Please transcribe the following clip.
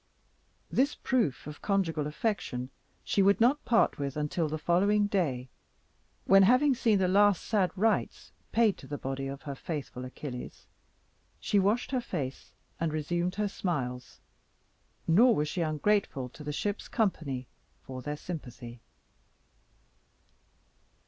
This proof of conjugal affection she would not part with until the following day, when having seen the last sad rites paid to the body of her faithful Achilles, she washed her face, and resumed her smiles, nor was she ungrateful to the ship's company for their sympathy.